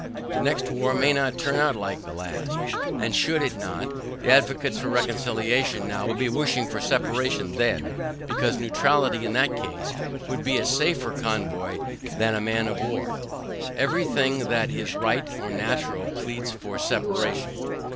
The next war may not turn out like the last, and should it not, the advocates for reconciliation now will be wishing for separation then, because, neutrality in that case, would be a safer convoy than a man of war. Every thing that is right or natural pleads for separation.